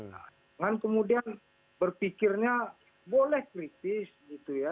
jangan kemudian berpikirnya boleh kritis gitu ya